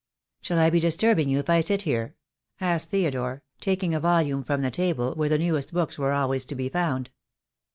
"Shall I be disturbing you if I sit here?" asked Theo dore, taking a volume from the table where the newest books were always to be found.